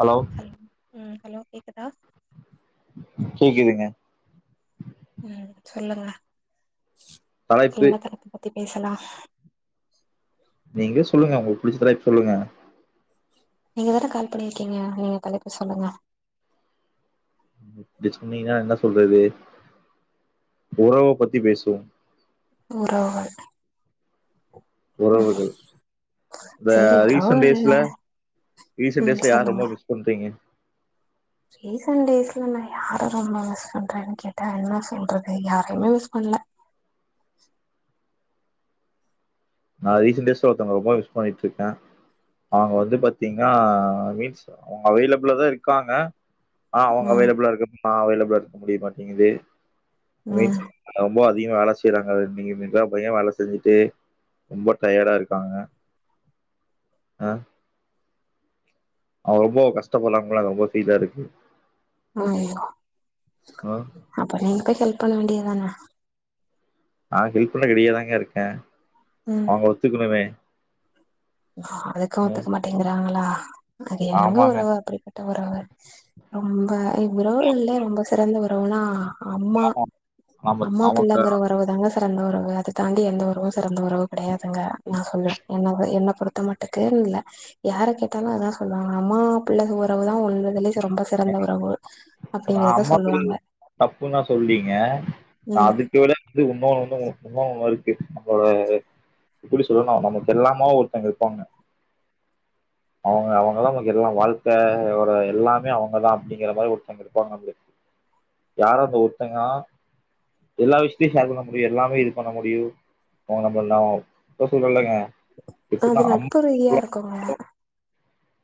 Hello ம் ம் hello கேக்குதா கேக்குதுங்க உம் சொல்லுங்க தலைப்பு என்னத்த பத்தி பேசலா நீங்களே சொல்லுங்க உங்களுக்கு புடிச்ச தலைப்பு சொல்லுங்க நீங்க வேற கால் பண்ணிருக்கீங்க நீங்க தலைப்பு சொல்லுங்க டிஸ்கோ மாறிதா என்னா சொல்றது உறவ பத்தி பேசுவோ உறவு உறவுகள் இந்த சேரி ரீசன்ட் உறவுகள் இல்ல டேஸ்ல ரீசன்ட் ம் டேஸ்ல யார் சொல்லுங்க ரொம்ப மிஸ் பண்றீங்க ரீசன்ட் டேஸ்ல நா யார ரொம்ப மிஸ் பண்றேன்னு கேட்டா என்ன சொல்றது யாரையுமே மிஸ் பண்ணல நா ரீசன்டேஸ்ல ஒருத்தங்க ரொம்ப மிஸ் பண்ணிட்டு இருக்க அவுங்க வந்து பாத்தீன்னா மீன்ஸ் அவங்க அவெலியபுலா தா இருக்காங்க அ அவங்க ம் அவைலபிளா இருக்கபோ நா அவைலபுளா இருக்க முடியமாட்டிங்குது ம் மீன்ஸ் ரொம்ப அதிகமா வேல செய்யறாங்க நீங்க மிதா பையன் வேல செஞ்சுட்டு ரொம்ப டயர்டா இருக்காங்க அ அவங்க ரொம்ப கஷ்டப்பர்ராங்களா அது ரொம்ப ஃபீலா இருக்கு ஓய் ஆ அப்ப நீங்க போய் ஹேல்ப் பண்ண வேண்டியது தானா நா ஹெல்ப் பண்ண ரெடியாதாங்க இருக்கே ம் அவங்க ஒத்துக்கனுமே அதுக்கும் ஒத்துக்க மாட்டேங்கறாங்களா அது என்னமோ ஆமாங்க. ஒரு அப்டி வறாக ரொம்ப உறவுகள்லயே ரொம்ப சிறந்த உறவுனா அம்மா நம்ம அம்மா அவங்க புள்ளங்கறத உறவு தாங்க சிறந்த உறவு அத தாண்டி எந்த உறவு சிறந்த உறவு கெடையாதுங்க என்னு சொல்லு என்ன என்ன ஒருத்த மட்டுகுன்னு இல்ல யார கேட்டாலு அத்தா சொல்லுவாங்க அம்மா பிள்ளங்க உறவு தா உள்ளதுலயே ரொம்ப சிறந்த உறவு அப்டிங்கறத ஆமா தோழி சொல்லுவாங்க தப்புன்னா சொல்றீங்க ம் அதுக்கு விட இது இன்னொன்னு வந்து இன்னொன்னு இருக்கு அது கும்பகோணம்ல்ல இருக்கு நம்பளோட எப்டி சொல்லனும் நமக்கு எல்லா மாவு ஒருத்தங்க இருகாங்க அவங்க அவுங்க தா நமக்கு எல்லா வாழ்க்கையோட எல்லாமே அவங்கதா அப்டிங்கிற மாறி ஒருத்தங்க இருப்பாங்க நம்ளுக்கு யாரு அந்த ஒருத்தங்க எல்லா விஷ்யத்தியு சேர் பண்ண முடியாது எல்லாமே இது பண்ண முடியு ஓணம் எல்லா போ சொல்றேல்லங்க அது நட்பு ரீதியா இருக்குங்க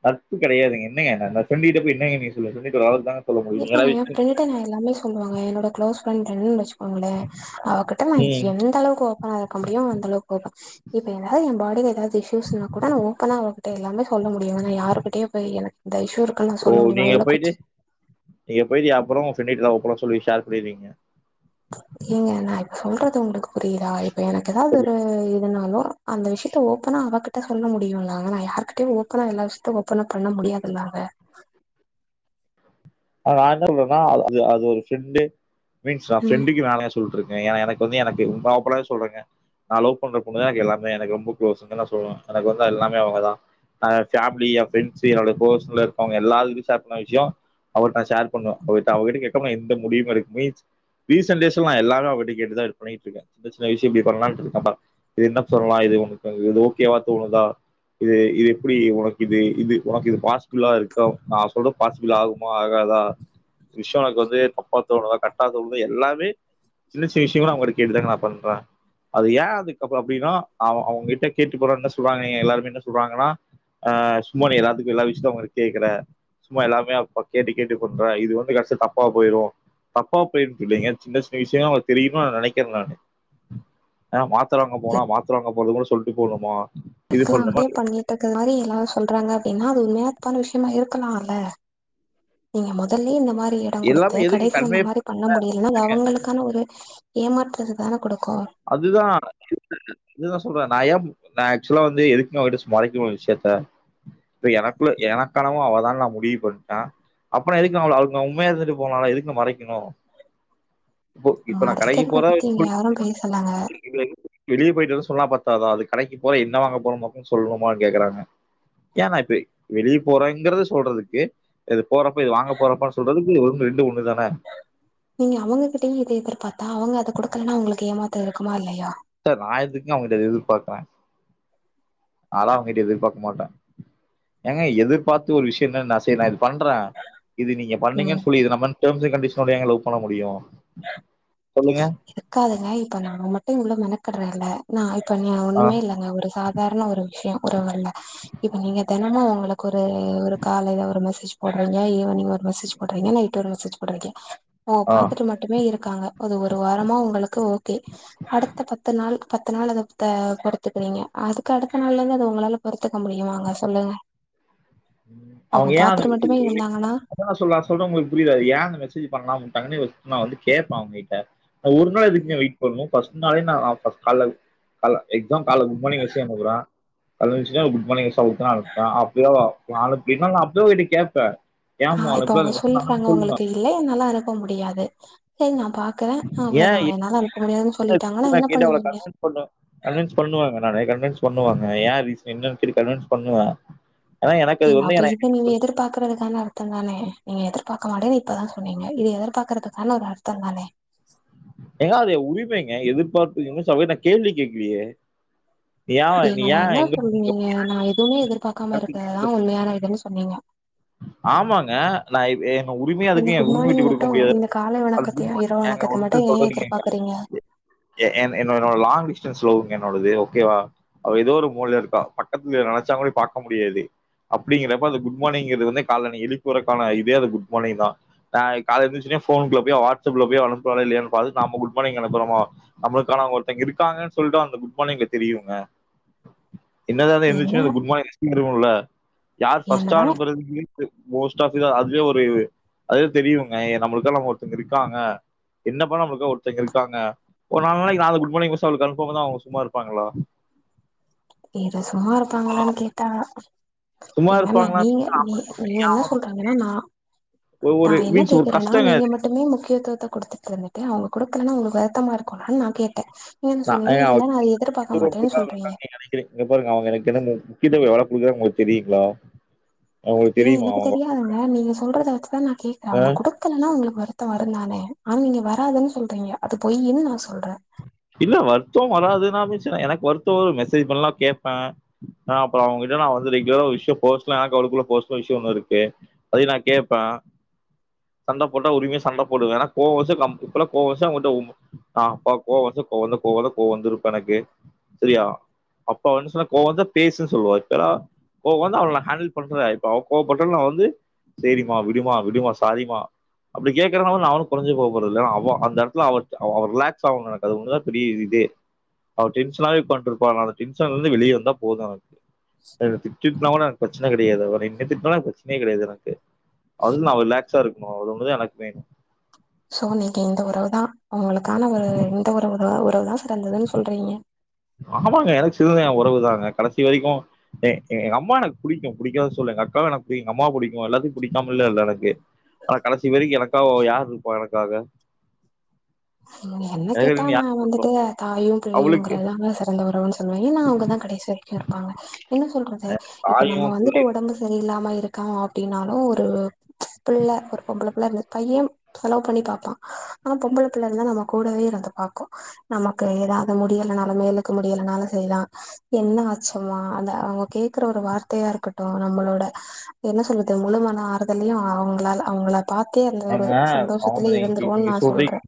நட்பு கெடையாதுங்க என்னங்க ஃப்ரண்ட்டு கிட்ட போயி என்னங்க நீங்க சொல்லு சொல்லிட்டு வரத்தாங்க இல்ல நா என் ஃப்ரெண்ட்ட நா எல்லாமே சொல்லுவங்க என்னோட குளோஸ் ஃப்ரெண்ட்டன்னு வச்சு உங்கள அவகிட்ட நா ம். எந்த அளவுக்கு ஓப்பனா இருக்கமுடியுமோ அந்தளவுக்கு ஓப்பன் இப்ப எதாவ்து எ பாடில எதாவ்து இஷ்யூஸ்னா கூட நா ஓப்பனா அவகிட்ட எல்லாமே சொல்ல முடியு ஆனா யாருகிட்டயு போய் எனக் இந்த இஷு இருக் ஓ நீங்க போய்ட்டு நீங்க போய்ட்டிய அப்புறோ உங் ஃப்ரெண்டுகிட்டதா ஓப்பனா சொல்லி ஷேர் பண்ணுவீங்க ஏங்க நா இப்ப சொல்றது உங்களுக்கு புரியுதா இப்ப எனக்கு எதாவ்து ஒரு இதுனாலு அந்த விஷியத்த ஓப்பனா அவகிட் ட சொல்ல முடியு ஆனா நா யாருகிட்டயு ஓப்பனா எல்லா விஷயத்தயு ஓப்பனா பண்ண முடியாதுலாங்க நா என்ன சொன்றனா அது அது அது ஒரு ஃப்ரெண்டு மீன்ஸ் நா ஃப்ரெண்டுக்கு மேல சொல்ட்ருக்கே ஏனா எனக்கு வந்து எனக்கு ஓப்பனா சொல்றேங்க நா லவ் பண்ற பொண்ணுதா எனக்கு எல்லாமே எனக்கு ரொம்ப க்ளோஸுன்னு நா சொல்லுவே எனக் வந்து எல்லாமே அவங்கதா எ பேமிலி எ ஃப்ரண்ட்ஸு என்னோட க்லோசுல இருக்கவங்க எல்லாருகிட்டியு சேர் பண்ணாத விஷியோ அவள்ட்ட ஷேர் பண்ணுவ அவ அவகிட்ட கேட்காமா நா எந்த முடிவுமே எடுக்க மீன்ஸ் ரீசன்டேஸ்லா நா எல்லாமே அவகிட்ட கேட்டுதா இது பண்ணிகிட்ருக்கே சின்ன சின்ன விஷயு இப்டி பண்லான்ட்ருக்கப்பா இது என்ன சொல்லலா இது உனக்கு இது ஓகேவா தோனுதா இது இது எப்டி உனக்கிது இது ஒனக்கு இது பாசிபிளா இருக்கா நா சொல்றத பாசிபளாகு மா ஆகாதா [unintelligible] வந்து தப்பா தோனுதா கர்ட்டா தோன்தா எல்லாமே சின்ன சின்ன விஷியங்களு அவுங்கட்ட கேட்டுதாங்க நா பண்றே அது ஏ அதுக்கப்றோ அப்டின்னா அவ அவுங்கிட்ட கேட்டு போனா என்ன சொல்வாங்க நீங்க எல்லாருமே என்ன சொல்வாங்கனா ஆ சும்மா நீ எல்லாத்துக்கு எல்லா விஷ்யத்யு அவங்கள கேக்குற சும்மா எல்லாமே [unintelligible] கேட்டு கேட்டு பண்ற இது வந்து கடசில தப்பா போயிடு தப்பா போயிருன்னுட் இல்லைங்க சின்ன சின்ன விஷயங்களா அவுங்ளுக் தெரியனு நெனைக்கிறே நானு ஆ மாத்ர வாங்க போனா மாத்ர வாங்க போற்துனு சொல்ட்டு போனுமா ஃபுல்லா அதே பண்ணிட்ருக்கனால எல்லாரு சொல்றாங்க அப்டின்னா அது ஒரு மேப்பான விஷயமா இருக்கலால நீங்க மொதல்லே இந்த மாரி எடோக் குடுத்து எல்லாமே எதுக்கு கடசில கன்வே இந்த மாரி பண்ண முடிலனா அது அவங்களுக்கான ஒரு ஏமாற்றத்த தான குடுக்கு அதுதா இதுதா சொல்றே நா ஏ நா ஆக்சுவலா வந்து எதுக்குங்க அவள்ட்ட மறைக்கனு ஒரு விஷயத்த இப்ப எனக்குள்ள எனக்கானவ அவதானு நா முடிவு பண்ட்டே அப்பறோ எதுக்கு நா அவ்ளோ அவ்ளுக் நா உண்மையா இருந்துட்டு போலால எதுக்குங்க மறைக்கினு மறைக்கிறத பத்தி இங்க யாரு பேசலங்க வெளிய போயிட் வரேன் சொன்னா பத்தாதா அதுக் கடைக்கு போற என்ன வாங்க போற மொத்தக் கொண்டு சொல்லுமான் கேக்குறாங்க ஏ நா இப்ப வெளிய போறேங்கறத சொல்றதுக்கு இது போறப்ப இது வாங்க போறப்பான் சொல்றதுக்கு ரெண்டு ஒன்னு தான நீங்க அவங்ககிட்டயையு இத எதிர்பாத்தா அவங்க அத குடுக்கலனா உங்களுக்கு ஏமாத்தோ இருக்குமா இல்லையா சார் நா எதுக்குங்க அவ்ங்கிட்ட இத எதிர்பாப்ப அதலா நா அவ்ங் கிட்ட எதிர்பாக்க மாட்டே ஏங்க எதிர்பாத்து ஒரு விஷியமே நா செய்ற்னா எதுக் பண்ற இது நீங்க ம் பண்ணீங்கன் சொல்லி இது ந பண் டேம்ஸ் அண் கண்டிஷனோடயாங்க லவ் பண்ண முடியு சொல்லுங்க இருக்காதுங்க இப்ப நா மட்டு இவ்ளவு மெனக்கடுறேன்ல்ல நா இப்ப நீ ஆ ஒண்ணுமே இல்லங்க ஒரு சா தார்ண ஒரு விஷியு உறவ்கல்ல இப்ப நீங்க தெனமு அவ்ங்களுக்கு ஒரு ஒரு காலையில ஒரு மெசேஜ் போட்றீங்க ஈவினிங் ஒரு மெசேஜ் போட்றீங்க நைட் ஒரு மெசேஜ் போட்றீங்க அவ்ங் ஆ பாத்துட்டு மட்டுமே இருக்காங்க அது ஒ ரு வாரமா உங்களுக்கு ஓகே அடுத்த பத்து நாள் பத்து நாள் அத த பொறுத்திக்குறீங்க அதுக்கு அடுத்த நாள்லந்து அத உங்களால பொருத்துக்க முடியுமாங்க சொல்லுங்க ம் அவங்க அவுங்க ஏ அந்த பாத்துட்டு மட்டுமே [unintelligible] இருந்தாங்கன்னா என்ன சொல்ல நா சொல்றது உங்களுக்கு புரியுதா ஏன் அந்த மெசேஜ் பண்ணாம உட்டாங்கன் இவ சொன்னா நா வந்து கேப்ப அவங்ககிட்ட ஆ ஒரு நாள் எதுக்குங்க வெயிட் பண்ணணு ஃபர்ஸ்ட் நாலே நா கால கால எக்ஸாம் கால்ல குட் மார்னிங் எஸ்சே அமுக்குற கால்ல எந்ச்சோனே குட் மார்னிங் எஸ் அனுப்புனா அனுப்புவ அப்டியு அவ அனுப்பலினா அப்பவே அவகிட்ட கேப்ப ஆ இப்ப அவங்க சொல்றாங்க ஒங்களுக்கு இல்ல என்னால அனுப்ப முடியாது செரி நா பாக்கறே ஏன் அவ்ளோதா என்னால அனுப்ப முடியாதுன் சொல்லிட்டாங்கனா என்ன பண்ணுவீங்க சொல்றே கன்வின்ஸ் பண்ணுவாங்க நானு கன்வின்ஸ் பண்ணுவாங்க ஏ ரீசன் என்ன கன்வின்ஸ் பண்ணுவ ஏங்க அத இத நீங்க எதிர்பாக்கறதுதான அர்த்தோ தானே நீங்க எதிர்பாக்க மாட்டேன் இப்பதா சொன்னீங்க இது எதிர்பாக்கறதுக்கான ஒரு அர்த்ததானே ஏங்க அது என் உரிமைங்க எதிர்பார்த்து யுனிசாவே நா கேள்வி கேக்கலியே சரி நா என்னா சொன்னீங்க நா எதுவுமே எதிர்பார்க்காம இருக்கு எங்க றதுதா உண்மையான இதுன் சொன்னீங்க ஆமாங்க நான் என்ன உரிமையா அப்ப இந்த அதுக்கு என் குட் உரிமைய மார்னிங் விட்டு குடுக்க மட்டு முடியாதுல இந்த காலை வணக்கத்தையு இரவு வணக்கத்தைையு மட்டு ஏன் கேளுங்க. எதிர்பாக்குறீங்க என் என்னோட லாங் டிஸ்டன்ஸ் லவ்ங்க என்னோடது ஓகேவா அவ எதோ ஒரு மூலைல இருக்கா பக்கத்துல நினைச்சா கூட பாக்க முடியாது அப்படிங்கிறப்ப அந்த குட் மார்னிங் இது வந்து காலைல நீ எழுப்பிஉர்றதுக்கான இதே அந்த குட் மார்னிங் தா ஆ காலைல எந்திரிச்ச உடனே ஃபோனுக்குள்ள போயி அவ வாடஸ்அப்ல போயி அனுப்புனாளா இல்லயான் பாத்து நாம குட் மார்னிங் அனுப்புறமா நம்மள்க்கான ஒருத்தங்க இருக்காங்கன்னு சொல்லிட்டு அந்த குட் மார்னிங்ல தெரியுங்க என்னதா ஏங்க இருந்துச்சு அந்த குட் மார்னிங் மெசேஜ் இருக்குல்ல யார் ஃபர்ஸ்ட் அ என்னதா மோஸ்ட் ஆஃப் இது அதுவே ஒரு அதுவே தெரியுங்க நம்மளுக்கான ஒருத்தங்க இருக்காங்க என்ன பண்ணா நம்மளுக் ஒருத்தங்க இருக்காங்க ஒரு நாலு நாளைக்கு குட் மார்னிங் மெசே அனுப்பாம இருந்தா அவங்க சும்மா இருப்பாங்களா இது சும்மா இருப்பாங்களான் கேட்டா சும்மா என்னால இருப்பாங்களா நீங்க நீ நீங்க என்ன சொல்ற நீங்கனா நா நா ஒரு என்ன மீன்ஸ் ஒரு கேக்குறேனா கஷ்டங்க நீங்க அது. மட் மட்டுமே முக்கியத்துவத்தை கு டுத்துட்டு இருந்துட்டு அவங்க குடுக்கலனா உங்களுக்கு வருத்தமா இருக்கும்லனு நா கேட்ட ஏன்னு நான் சொன்னீங்க ஏங்க இல்ல நா அ எதிர்பாக்க மாட்டேன்னு சொல்றீங்க ங்க பாருங்க அவங்க எனக்கு என்ன முக்கியத்துவம் எவ்வளவு குடுக்குறாங்கன் உங்களுக்கு தெரியுங்ளா ஏன் எனக்கு தெரியாதுங்க நீங்க சொல்றத வச்சுதா நா கேக்குற ஆ? அவங்க குடு க்கலனா உங்களுக்கு வருத்தம் வருந்தான ஆன நீங்க வராதுன் சொல்றீங்க அது பொய்யின் நா சொல்ற இல்ல வருத்த வராதுன்னா பேசின எனக்கு வருத்த ஒரு மெசேஜ் பண்ணலனா கேப்ப ஆ அப்பற அவங்கிட்ட நா வந்து ரெகுலரா விஷய பெர்ஸ்னலா எனக்கு அவளுக்குள்ள பெர்ஸ்னலா விஷய ஒன்னு இருக்கு அதயு நா கேப்ப சண்டை போட்டா உரிமையா சண்ட போடுவ ஏன்னா கோவ வந்ச்சுனா கம்பல்லா கோவம் வந்ச்சுனா ஒன்ட்ட ஆ பவ் கோ வந்து கோவந்து கோவந்து கோவந்து இருப்ப எனக்கு சரியா அப்ப வந்து சொன்ன கோவம் வந்தா பேசு சொல்லுவ ஓகேடா கோ வந்து அவள ஹேண்டல் பண்றதா இப்ப அவள் கோபட்டா நா வந்து செரிமா விடுமா விடுமா சாரி மா அப்டி கேக்குறேனா நா ஒன்னும் குறஞ்சு போ போறது இல்ல அவ அந்த இடத்துல அவ ரிலாக்ஸ் ஆகணு எனக்கு அது ஒன்னுதா பெரிய இதே அவர டென்ஷனாவே உக்காந்துருப்பா டென்ஷன்ல இருந்து வெளியே வந்தா போது எனக்கு திட்டுனா கூட எனக்கு பிரச்சன கெடையாது அவன் என்ன திட்டனாலு எனக்கு பிரச்சனையே கெடையாது எனக்கு அவ்ளோ தா அவ ரிலாக்ஸா இருக்கணு அது ஒன்னுதா எனக்கு வேணு சோ நீங்க இந்த உறவு தா உங்களுக்கான ஒரு இந்த உறவு உறவு தா சிறந்ததுன் சொல்றீங்க ஆமாங்க எனக்கு சிறந்தது என் உறவு தாங்க கடைசி வரைக்கு எங்க அம்மா எனக்கு புடிக்கு புடிக்காதுன் சொல்லல எங்க அக்காவ எனக்கு புடிக்கு அம்மா புடிக்கு எல்லாத்தையு புடிக்காமலா இல்ல எனக்கு ஆனா கடைசி வரிக்கு எனக்காக யார் இருப்பா எனக்காக என்ன கேட்டா எனக்குன்னு நா யா வந்துட்டு தாயு புள்ளையுங்கற அவளுக்கு எல்லாமே சிறந்த வர்ரோ மெய்னா அவுங்கதா கடைசி வரிக்கு இருப்பாங்க என்ன சொல்றது இப்ப நம்ம தாயும், வந்துட்டு பிள்ளையும் ஒடம்பு செரியில்லாம இருக்கோ அப்டின்னாலு ஒரு பிள்ள ஒரு பொம்பள பிள்ள இருது பைய செலவு பண்ணி பாப்பா ஆனா பொம்பள பிள்ள இருந்தா நம்ம கூடவே இருந்து பாக்கு நமக்கு எதாது முடியலனாலுமே எழுக முடியலனாலு செய்லா என்ன ஆச்சுமா அந்த அவுங்க கேக்குற ஒரு வார்த்தையா இருக்கட்டு நம்மளோட என்ன சொல்றது முழுமான ஆறுதலயு அவுங்களால அவுங்கள பாத்தே அந்த ஒரு ஏங்க அவங்க சந்தோஷத்துலயே நீங்க இருந்துருவோன் கேக்குறீங்க நா சொல்றீங்க சொல்றே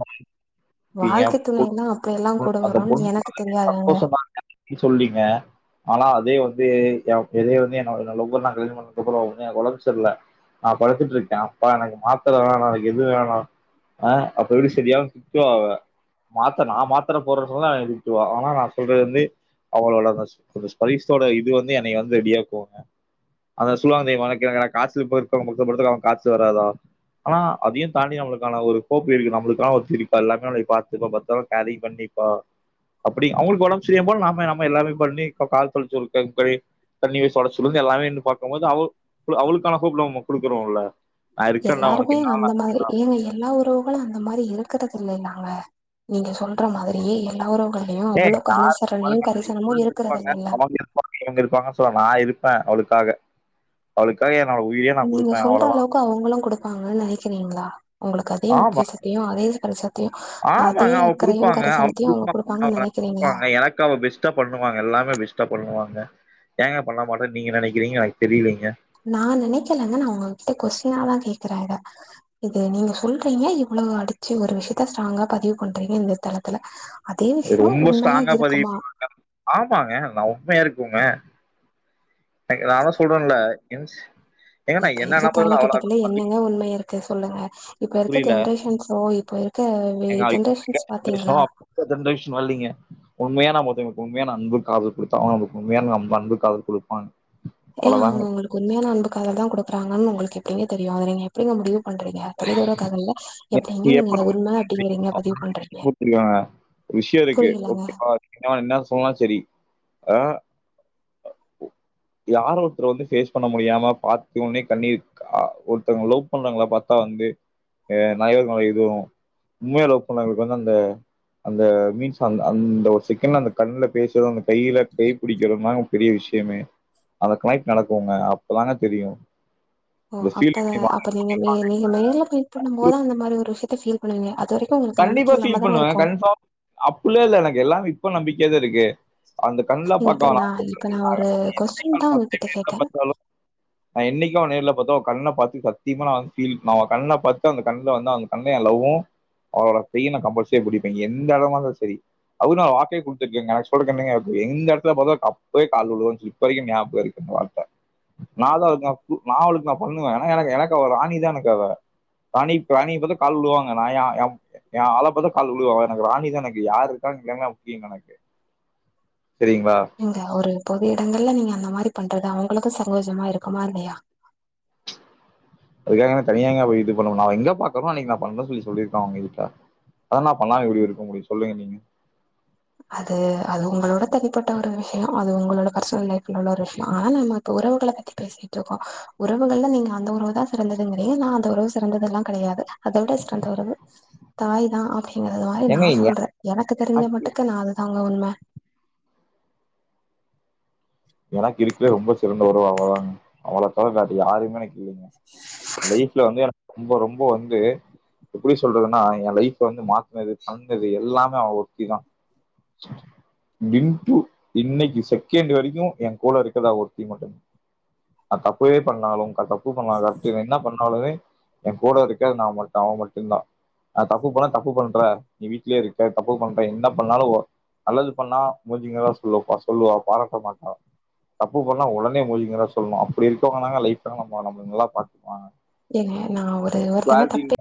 கேக்குறீங்க. வாழ்க்கை துணை எல்லா அப்டி எல்லா கூட பொண்ணு- வரோன் எனக்கு தெரியாதாங்க நீ சொல்றீங்க ஆனா அதே வந்து எதே வந்து என்னோட [unintelligible] நா க்ளீன்பண்றதுக்குள்ள உண்மயா எனக் ஒடம்பு செரில்ல நா படுத்துட்ருக்கே அப்பா எனக்கு மாத்தர வேணா எது வேணா ஆ அப்ப எப்டி செரியாவு திட்டுவா அவ மாத்த நா மாத்தர போட்ற சொன்னா திட்டுவா ஆனா நா சொல்றது வந்து அவ்ளோலா கஸ் பரீத்தோட இது வந்து என்னைய வந்து ரெடியாக்குங்க அந்த சுலாந்தய் [unintelligible] காச்சல் பத்தவுங் பக்கத்துல படுத்தா அவுங் காச்சல் வராதா ஆனா அதையு தாண்டி நம்ளுக்கான ஒரு ஹோப் இருக்கு நம்மளுக்கான ஒரு சிரிப்பா எல்லாமே நமளைய பாத்துப்பா பத்தாரம கேரிங் பண்ணிப்பா அப்டி அவங்களுக்கு ஒடம்பு செரியாம போனா நாம நாம எல்லாமே பண்ணி கால் பண் சொல்ட்டா இருக்றே தண்ணி வெச்சு தொடச்சுற்றது எல்லாமே நின்னு பாக்கும்போது அவ அவளுக்கான ஹோப்ல நம்ம குடுக்கறோல எல்லாருமே அந்த மாரி ஏங்க எல்லா உறவுகளும் அந்த மாரி இருக்கறதில்லைலங்க நீங்க சொல்ற மாதிரியே எல்லா உறவுங்கள்லயு ஏய் அவ்வளோக்கு அனுசரணையு கரிசனமு இருக்கறதுதில்லல்ல இருந்திருப்பாங்க சொல்ல நா இருப்ப அவளுக்காக அவளுக்காக என்னொட உயிரே நான் நீங்க குடுப்பேன் சொல்ற அவ்வளவுதான். அளவுக்கு அவுங்களு குடுப்பாங்கன் நெனைக்கிறீங்ளா உங்குளுக்கு அதே ஆமா. முக்கிய சக் தியு அதேது கரிச ஆமாங்க அவ குடுப்பாங்க அவங்க குடுப்பாங்கன்னு [unintelligible] நெனைக்கிறீங்களா பாங்க எனக்கு அவ பெஸ்ட் டா பண்ணுவாங்க எல்லாமே பெஸ்டா பண்ணுவாங்க ஏங்க பண்ண மாட்டான் நீங்க நெனைக்கிறீங்க எனக்கு தெரிலைங்க நா நெனைக்கலங்க நா உங்ககிட்ட கொஸ்டினாதா கேக்குறே இத இது நீங்க சொல்றீங்க இவ்வளவு அடிச்சு ஒரு விஷயத்த ஸ்ட்ராங்கா பதிவு பண்றீங்க இந்த தலத்துல அதே விஷயோ ரொம்ப உண்மையா ஸ்ட்ராங்கா பதிவு இருக்குமா ஆமாங்க நா உண்மையா இருக்குங்க நாதா சொல்றன்ல என்ஸ் ஏங்க இப்ப நான் என்ன இருக்க நம்பர விட அவளா காலகட்டத்துல என்னங்க உண்ம இருக் செரி சொல்லுங்க இப்ப இருக்க புரியல. ஜென்ரேஷன்ஸோ இப்ப இருக்க எ ஜென்ரேஷன்ஸ் பாத்தீங்களா இப்ப ஜென்ரேஷன் வர்லீங்க உண்மையா நம்மத்தவ்ங்களுக்கு உண்மையான அன்பு காதல் குடுத்தோனா நமக்கு உண்மையான அன்பு காதல் குடுப்பாங்க ஏங்க அவுங்க அவ்வளவுதாங்க. உங்குளுக்கு உண்மையான அன்பு காதல்தா குடுக்குறாங்கன்னு உங்களுக்கு எப்டிங்க தெரியு அத நீங்க எப்டிங்க முடியுவு பண்றீங்க தொலைதூர காதல்ல எப்டிங்க நீங்க அத எப்ப உண்ம அப்டிங்கறீங்க பதிவு பண்றீங்க விஷயோ இருக்கு புரியலங்க ஓகேவா அதுகு நீங்க என்ன சொன்னாலு செரி ஆ உ யார ஒருத்தர வந்து பேஸ் பண்ண முடியாம பாத்தவுனே கண்ணீர் அ ஒருத்தங்க லவ் பண்றங்ளா பாத் வந்து [unintelligible] இதுவும் உண்மைய லவ் பண்ணவங்களுக்கு வந்து அந்த அந்த மீன்ஸ் அந்த அந்த ஒரு செக்கண்ட்ல அந்த கண்ணுல பேசுரது அந்த கையில கை புடிக்கிறதுதாங்க பெரிய விஷியமே அந்த கனைக்ட் நடக்குங்க அப்பதாங்க தெரியு ஓ அப்ப அப்ப நீங்க மேல நீங்க மேல ஃபீல் பண்ணு போது அந்த மாரி ஒரு சுத்த ஃபீல் இப்ப நீங்க அது வரைக்கு உங்களுக்கு நம்பிக்க இல்லாம தான இருக்கு அப்புள்ள இல்ல எனக்கு எல்லா இப்ப நம்பிக்கியாதா இருக்கு அந்த கண்லா பாக் இப்ப வேனா நா [inaudible] இப்ப நா ஒரு கொஸ்டின் தா உங்ககிட்ட கேட்டே நா இன்னைக்கு அவள நேர்ல பாத்தா அவ கண்ண பாத்து சத்தியமா நா ஃபீல் நா அவ கண்ண பாத்து அந்த கண்ல வந்து அந்த கண்ணே எ லவ்வு அவளோட கைய நா கம்பல்சரி புடிப்பே எந்த எடமா இருந்தா செரி அவளுக்கு நா வாக்கே குடுத்துருகேங்க எனக்கு சொல்ரதுக்கு என்னங்க இருக்கு எந்த எடத்துல பாத்தா டப்புனு கால்ல வுலுவேன் சொல்லி இப்ப வரைக்கு ஞாபக இருக்கு அந்த வார்த்த நா தா அவளுக்கு நா பு நா அவளுக்கு நா பண்ணுவே ஏனா எனக்கு எனக்கு அவ ராணிதா எனக்கு அவ ராணி ராணி பாத்தா கால் உலுவாங்க நா எ எ எ ஆள பாத்தா கால வுலுவே அவ எனக்கு ராணிதா எனக்கு யாரு இருக்காங்க இல்ல முக்கிய இல்ல எனக்கு செரிங்ளா நா ஒரு பொது எடங்கள்ல நீங்க அந்த மாரி பண்றது அவங்களுக்கு சங்கோஜமா இருக்குமா இல்லையா அதுக்காக என்ன தனியாங்க போய் இது பண்ணுவ நா அவ எங்க பாக்கறனோ அன்னைக்கு நா பண்றன் சொல்லி சொல்லிருக்க அவங்க கிட்ட அதனா பண்ணமா எப்டி இருக்க முடியு சொல்லுங்க நீங்க அது அது உங்களோட தனிப்பட்ட ஒரு விஷியோ அது உங்களோட பர்சனல் லைஃப்ல உள்ள ஒரு விஷ்யோ ஆனா நம்ம இப்ப உறவுகள பத்தி பேசிட்ருக்கோ உறவுகள்ல நீங்க அந்த உறவு தா சிறந்ததுங்கிறங்க நா அந்த உறவு சிறந்ததெல்லா கெடையாது அத விட ஸ்ரந்த உறவு தாய் தா அப்டிங்கறது மாரி நா ஏங்க சொல்ற எனக்கு தெரிஞ்ச மட் து நா அதுதாங்க உண்ம உனக் இருக்லே ரொம்ப சிறந்த உறவு அவுங்கதாங்க அவுங்கள தவர வேற யாருமே எனக் இல்லீங்க லைஃப்ல வந்து எனக் ரொம்போ ரொம்போ வந்து எப்டி சொல்றதுனா எ லைஃப்ப வந்து மாத்னது தந்தது எல்லாமே அவ ஒருத்தி தா டின்ட்டு இன்னைக்கு செகேண்டு வரிக்கு எ கூட இருக்குரது அவ ஒருத்தி மட்டு தா நா தப்வே பண்ணாலு [unintelligible] கூப்பன் ஆகாது இவ என்ன பண்ணாலுமே எ கூட இருக்க நா மட்டு அவ மட்டுதா நா தப்பு பண்ணா தப்பு பன்ற நீ வீட்லே இருக்க தப்பு பண்ற என்ன பன்னாலு ஒ நல்லது பண்ணா மூஞ்சிக்கு நேரா சொல்லுவப்பா சொல்லுவா பாராட்ட மாட்டா தப்பு பன்னா ஒடனே மூஞ்சிக்கு நேரா சொல்னு அப்டி இருக்கவங்க தாங்க லைஃப்ல நம்ம நம்மள நல்லா பாத்துப்பாங்க ஏங்க நா ஒரு ஒருத்தங்க குவாலிட்டின்னு தப்பே